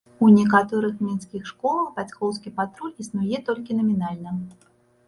У некаторых мінскіх школах бацькоўскі патруль існуе толькі намінальна.